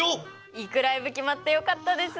行くライブ決まってよかったですね。